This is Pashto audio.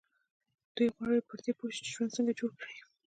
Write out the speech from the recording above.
دوی غواړي پر دې پوه شي چې ژوند څنګه جوړ کړي.